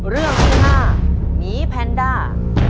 เรื่องที่๕หมีแพนด้า